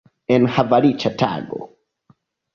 Enhavoriĉa tago!